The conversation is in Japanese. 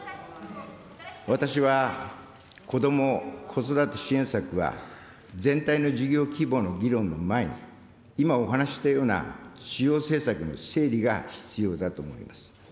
私はこども・子育て支援策は全体の事業規模の議論の前に、今お話ししたような主要政策の整理が必要だと思います。